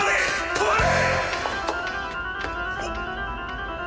止まれ！